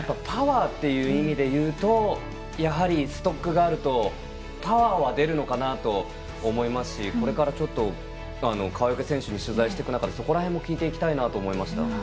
パワーという意味で言うとやはりストックがあるとパワーは出るのかなと思いますしこれから川除選手に取材していく中でそこら辺も聞いていきたいなと思いました。